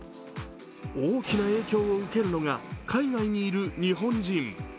大きな影響を受けるのが海外にいる日本人。